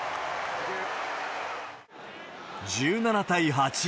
１７対８。